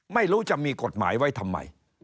ไม่รู้จะมีกฎหมายไว้ทำไม